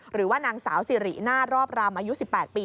หรือว่านางสาวสิรินาทรอบรำอายุ๑๘ปี